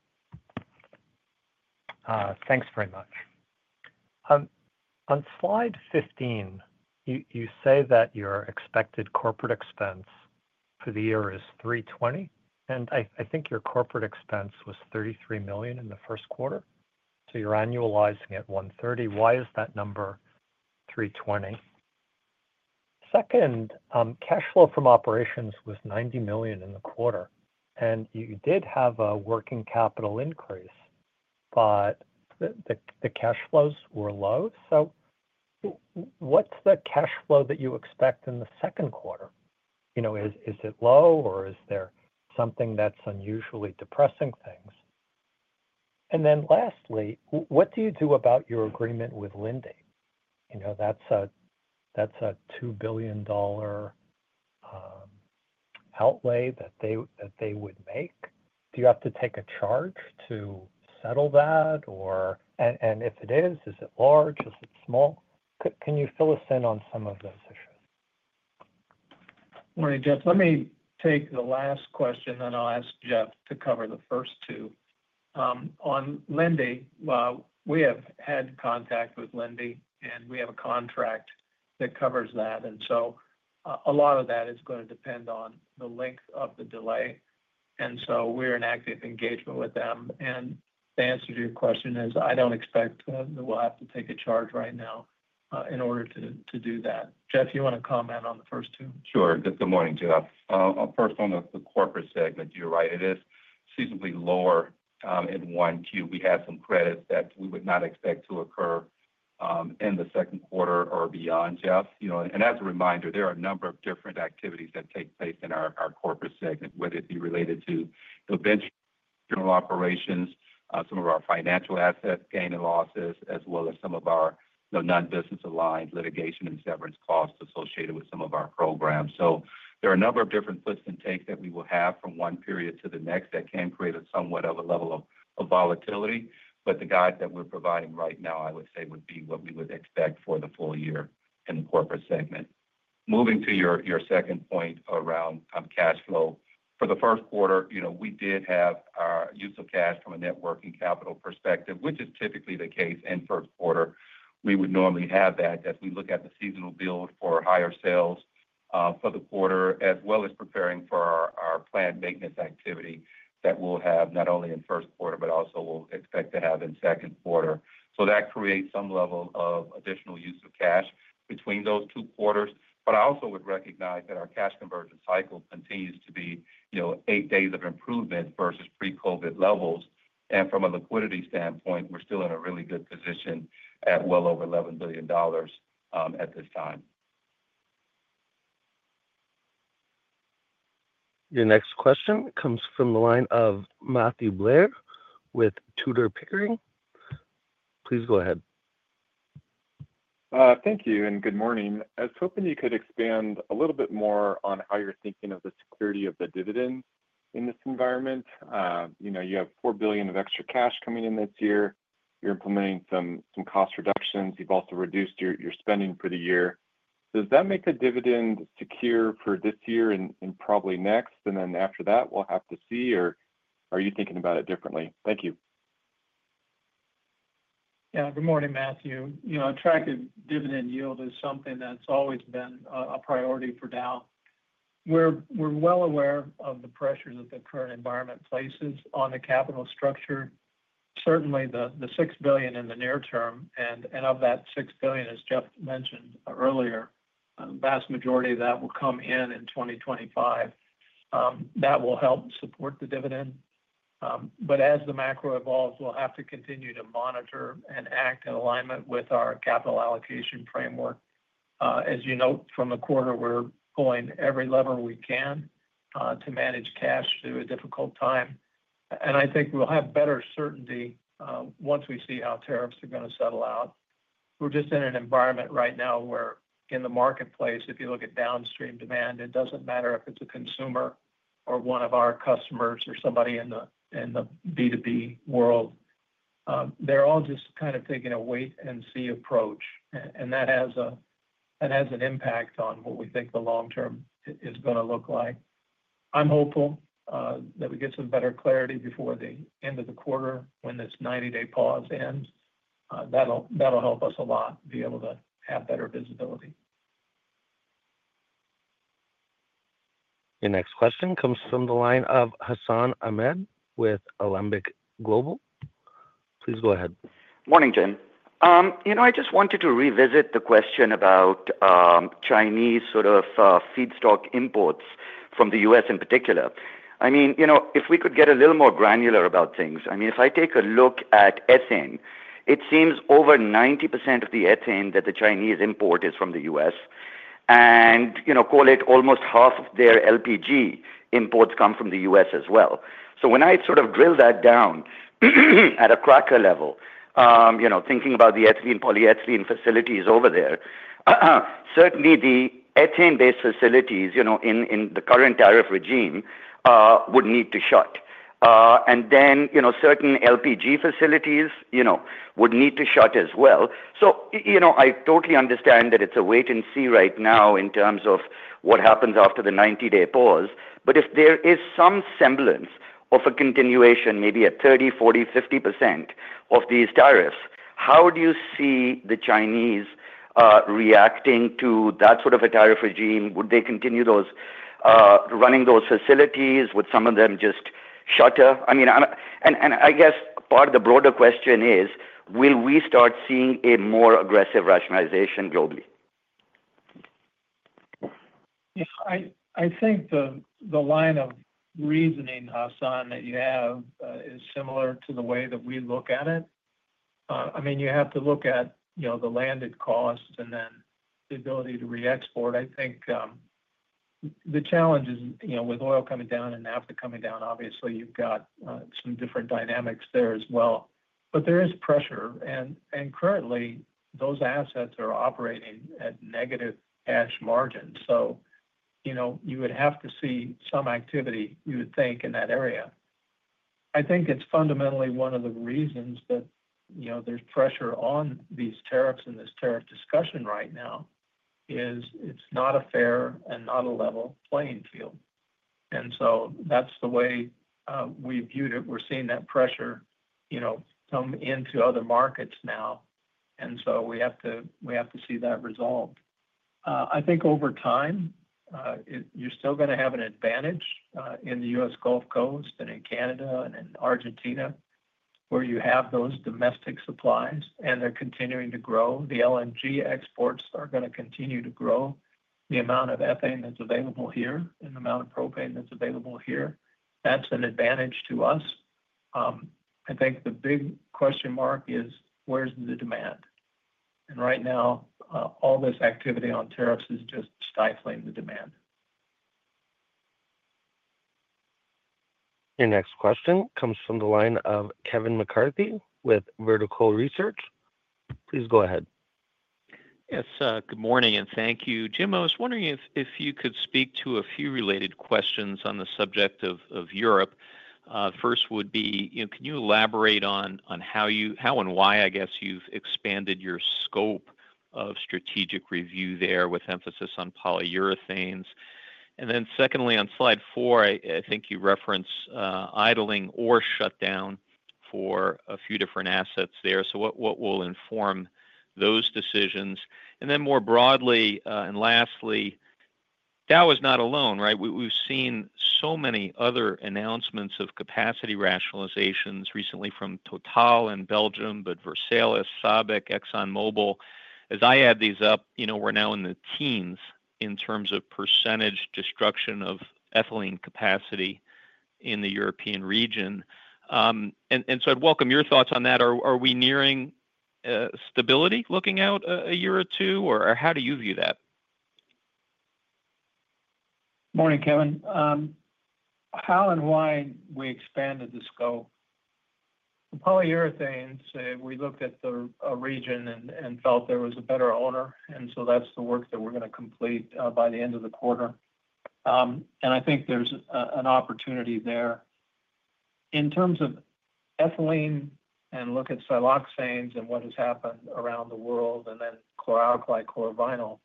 Thanks very much. On slide 15, you say that your expected corporate expense for the year is $320 million. And I think your corporate expense was $33 million in the first quarter. So you're annualizing at $130 million. Why is that number $320 million? Second, cash flow from operations was $90 million in the quarter. And you did have a working capital increase, but the cash flows were low. What is the cash flow that you expect in the second quarter? Is it low, or is there something that's unusually depressing things? Lastly, what do you do about your agreement with Linde? That's a $2 billion outlay that they would make. Do you have to take a charge to settle that? If it is, is it large? Is it small? Can you fill us in on some of those issues? All right, Jeff, let me take the last question, then I'll ask Jeff to cover the first two. On Linde, we have had contact with Linde, and we have a contract that covers that. A lot of that is going to depend on the length of the delay. We are in active engagement with them. The answer to your question is I don't expect that we'll have to take a charge right now in order to do that. Jeff, you want to comment on the first two? Sure. Good morning, Jeff. First, on the corporate segment, you're right. It is seasonally lower in 1Q. We had some credits that we would not expect to occur in the second quarter or beyond, Jeff. As a reminder, there are a number of different activities that take place in our corporate segment, whether it be related to the Ventures & general operations, some of our financial asset gain and losses, as well as some of our non-business aligned litigation and severance costs associated with some of our programs. There are a number of different puts and takes that we will have from one period to the next that can create somewhat of a level of volatility. The guide that we're providing right now, I would say, would be what we would expect for the full year in the corporate segment. Moving to your second point around cash flow, for the first quarter, we did have our use of cash from a net working capital perspective, which is typically the case in first quarter. We would normally have that as we look at the seasonal build for higher sales for the quarter, as well as preparing for our planned maintenance activity that we'll have not only in first quarter, but also we'll expect to have in second quarter. That creates some level of additional use of cash between those two quarters. I also would recognize that our cash conversion cycle continues to be eight days of improvement versus pre-COVID levels. From a liquidity standpoint, we're still in a really good position at well over $11 billion at this time. Your next question comes from the line of Matthew Blair with Tudor Pickering. Please go ahead. Thank you and good morning. I was hoping you could expand a little bit more on how you're thinking of the security of the dividends in this environment. You have $4 billion of extra cash coming in this year. You're implementing some cost reductions. You've also reduced your spending for the year. Does that make the dividend secure for this year and probably next? After that, we'll have to see. Are you thinking about it differently? Thank you. Yeah, good morning, Matthew. Attractive dividend yield is something that's always been a priority for Dow. We're well aware of the pressures that the current environment places on the capital structure. Certainly, the $6 billion in the near term, and of that $6 billion, as Jeff mentioned earlier, the vast majority of that will come in in 2025. That will help support the dividend. As the macro evolves, we'll have to continue to monitor and act in alignment with our capital allocation framework. As you note, from the quarter, we're pulling every lever we can to manage cash through a difficult time. I think we'll have better certainty once we see how tariffs are going to settle out. We're just in an environment right now where in the marketplace, if you look at downstream demand, it doesn't matter if it's a consumer or one of our customers or somebody in the B2B world. They're all just kind of taking a wait-and-see approach. That has an impact on what we think the long term is going to look like. I'm hopeful that we get some better clarity before the end of the quarter when this 90-day pause ends. That'll help us a lot to be able to have better visibility. Your next question comes from the line of Hassan Ahmed with Alembic Global. Please go ahead. Morning, Jim. I just wanted to revisit the question about Chinese sort of feedstock imports from the U.S. in particular. I mean, if we could get a little more granular about things, I mean, if I take a look at ethane, it seems over 90% of the ethane that the Chinese import is from the U.S. and call it almost half of their LPG imports come from the U.S. as well. When I sort of drill that down at a cracker level, thinking about the ethylene polyethylene facilities over there, certainly the ethane-based facilities in the current tariff regime would need to shut. Certain LPG facilities would need to shut as well. I totally understand that it is a wait-and-see right now in terms of what happens after the 90-day pause. If there is some semblance of a continuation, maybe a 30%, 40%, 50% of these tariffs, how do you see the Chinese reacting to that sort of a tariff regime? Would they continue running those facilities? Would some of them just shutter? I mean, and I guess part of the broader question is, will we start seeing a more aggressive rationalization globally? I think the line of reasoning, Hassan, that you have is similar to the way that we look at it. I mean, you have to look at the landed costs and then the ability to re-export. I think the challenge is with oil coming down and naphtha coming down, obviously, you've got some different dynamics there as well. There is pressure. Currently, those assets are operating at negative cash margins. You would have to see some activity, you would think, in that area. I think it's fundamentally one of the reasons that there's pressure on these tariffs and this tariff discussion right now is it's not a fair and not a level playing field. That is the way we viewed it. We're seeing that pressure come into other markets now. We have to see that resolved. I think over time, you're still going to have an advantage in the U.S. Gulf Coast and in Canada and in Argentina where you have those domestic supplies and they're continuing to grow. The LNG exports are going to continue to grow. The amount of ethane that's available here and the amount of propane that's available here, that's an advantage to us. I think the big question mark is, where's the demand? Right now, all this activity on tariffs is just stifling the demand. Your next question comes from the line of Kevin McCarthy with Vertical Research. Please go ahead. Yes, good morning and thank you, Jim. I was wondering if you could speak to a few related questions on the subject of Europe. First would be, can you elaborate on how and why, I guess, you've expanded your scope of strategic review there with emphasis on Polyurethanes? Secondly, on Slide 4, I think you referenced idling or shutdown for a few different assets there. What will inform those decisions? More broadly, and lastly, Dow is not alone, right? We've seen so many other announcements of capacity rationalizations recently from TotalEnergies in Belgium, but Versalis, SABIC, ExxonMobil. As I add these up, we're now in the teens in terms of % destruction of ethylene capacity in the European region. I would welcome your thoughts on that. Are we nearing stability looking out a year or two? How do you view that? Morning, Kevin. How and why we expanded the scope? Polyurethanes, we looked at the region and felt there was a better owner. That is the work that we are going to complete by the end of the quarter. I think there is an opportunity there. In terms of ethylene and look at siloxanes and what has happened around the world, and then chlor-alkali, chlor-vinyl,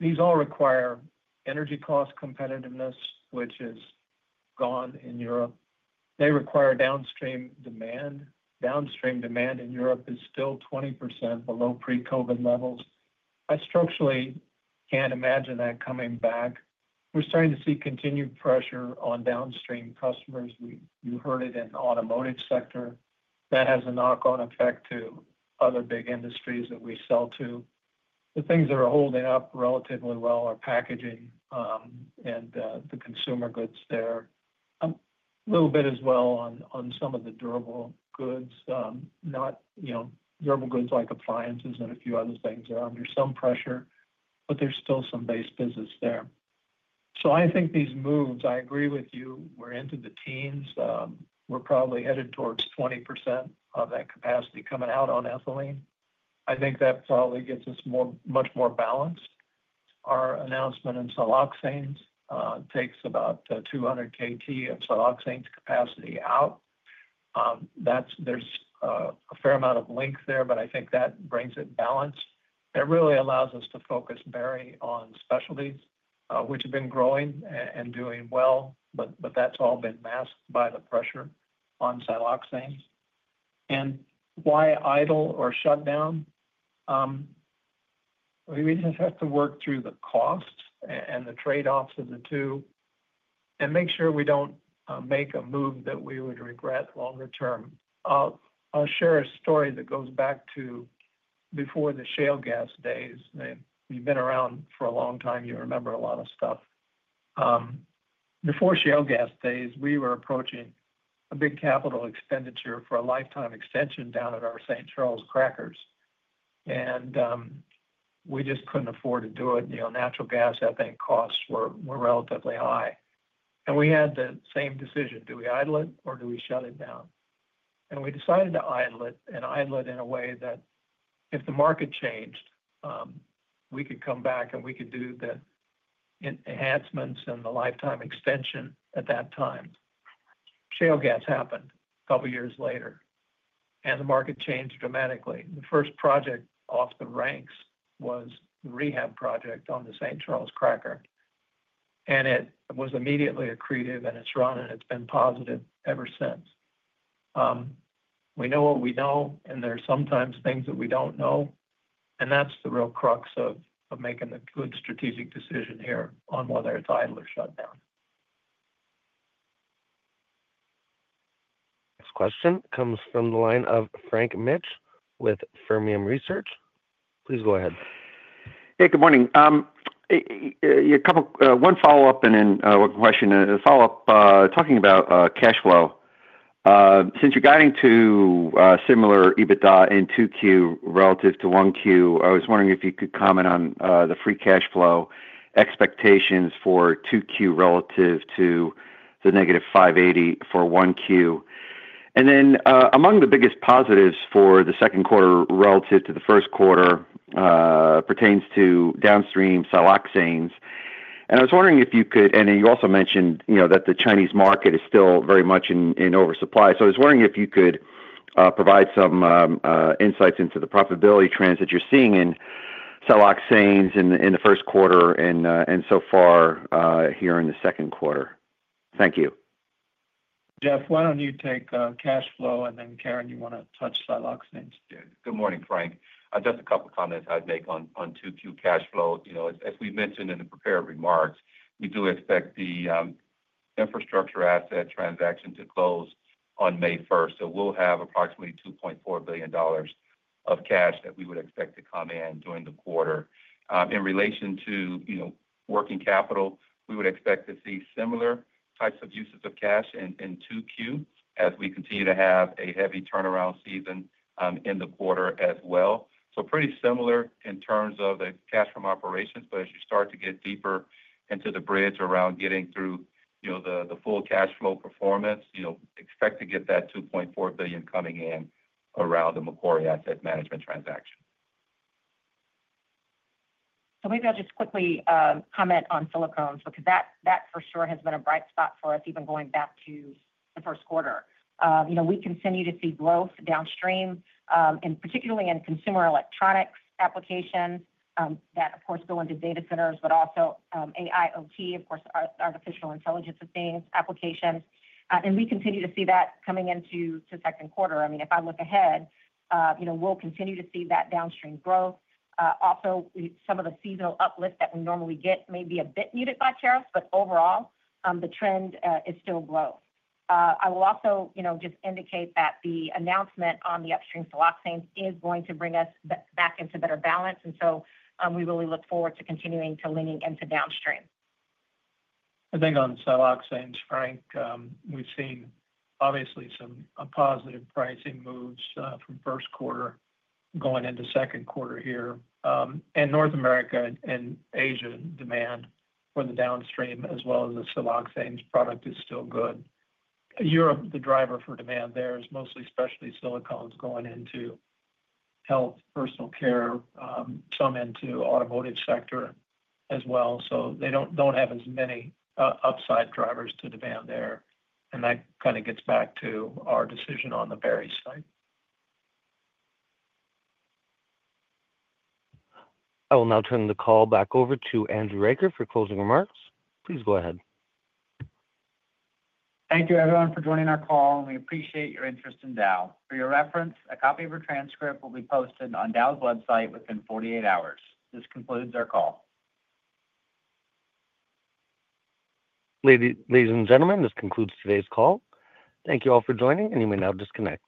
these all require energy cost competitiveness, which is gone in Europe. They require downstream demand. Downstream demand in Europe is still 20% below pre-COVID levels. I structurally cannot imagine that coming back. We are starting to see continued pressure on downstream customers. You heard it in the automotive sector. That has a knock-on effect to other big industries that we sell to. The things that are holding up relatively well are packaging and the consumer goods there. A little bit as well on some of the durable goods. Durable goods like appliances and a few other things are under some pressure, but there's still some base business there. I think these moves, I agree with you, we're into the teens. We're probably headed towards 20% of that capacity coming out on ethylene. I think that probably gets us much more balanced. Our announcement in siloxanes takes about 200 KT of siloxanes capacity out. There's a fair amount of length there, but I think that brings it balanced. That really allows us to focus very on specialties, which have been growing and doing well, but that's all been masked by the pressure on siloxanes. Why idle or shutdown? We just have to work through the costs and the trade-offs of the two and make sure we don't make a move that we would regret longer term. I'll share a story that goes back to before the shale gas days. We've been around for a long time. You remember a lot of stuff. Before shale gas days, we were approaching a big capital expenditure for a lifetime extension down at our St. Charles Cracker. We just couldn't afford to do it. Natural gas, I think, costs were relatively high. We had the same decision. Do we idle it or do we shut it down? We decided to idle it and idle it in a way that if the market changed, we could come back and we could do the enhancements and the lifetime extension at that time. Shale gas happened a couple of years later, and the market changed dramatically. The first project off the ranks was the rehab project on the St. Charles Cracker. It was immediately accretive, and it's run, and it's been positive ever since. We know what we know, and there's sometimes things that we don't know. That's the real crux of making a good strategic decision here on whether it's idle or shut down. Next question comes from the line of Frank Mitch with Fermium Research. Please go ahead. Hey, good morning. One follow-up and then a question. A follow-up talking about cash flow. Since you're guiding to similar EBITDA in 2Q relative to 1Q, I was wondering if you could comment on the free cash flow expectations for 2Q relative to the negative $580 million for 1Q. Among the biggest positives for the second quarter relative to the first quarter pertains to downstream siloxanes. I was wondering if you could, and you also mentioned that the Chinese market is still very much in oversupply. I was wondering if you could provide some insights into the profitability trends that you're seeing in siloxanes in the first quarter and so far here in the second quarter. Thank you. Jeff, why do not you take cash flow, and then Karen, you want to touch siloxanes? Good morning, Frank. Just a couple of comments I'd make on 2Q cash flow. As we mentioned in the prepared remarks, we do expect the infrastructure asset transaction to close on May 1. We'll have approximately $2.4 billion of cash that we would expect to come in during the quarter. In relation to working capital, we would expect to see similar types of uses of cash in 2Q as we continue to have a heavy turnaround season in the quarter as well. Pretty similar in terms of the cash from operations. As you start to get deeper into the bridge around getting through the full cash flow performance, expect to get that $2.4 billion coming in around the Macquarie Asset Management transaction. Maybe I'll just quickly comment on silicones because that for sure has been a bright spot for us even going back to the first quarter. We continue to see growth downstream, particularly in consumer electronics applications that, of course, go into data centers, but also AIoT, of course, artificial intelligence of things applications. We continue to see that coming into the second quarter. I mean, if I look ahead, we'll continue to see that downstream growth. Also, some of the seasonal uplift that we normally get may be a bit muted by tariffs, but overall, the trend is still growth. I will also just indicate that the announcement on the upstream siloxanes is going to bring us back into better balance. We really look forward to continuing to lean into downstream. I think on siloxanes, Frank, we've seen obviously some positive pricing moves from first quarter going into second quarter here. North America and Asia demand for the downstream as well as the siloxanes product is still good. Europe, the driver for demand there is mostly specialty silicones going into health, personal care, some into automotive sector as well. They do not have as many upside drivers to demand there. That kind of gets back to our decision on the Barry site. I will now turn the call back over to Andrew Riker for closing remarks. Please go ahead. Thank you, everyone, for joining our call. We appreciate your interest in Dow. For your reference, a copy of our transcript will be posted on Dow's website within 48 hours. This concludes our call. Ladies and gentlemen, this concludes today's call. Thank you all for joining, and you may now disconnect.